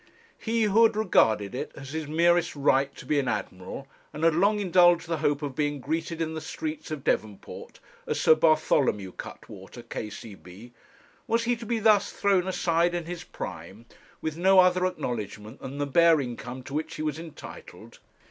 He, who had regarded it as his merest right to be an Admiral, and had long indulged the hope of being greeted in the streets of Devonport as Sir Bartholomew Cuttwater, K.C.B., was he to be thus thrown aside in his prime, with no other acknowledgement than the bare income to which he was entitled!